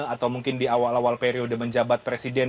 atau mungkin di awal awal periode menjabat presiden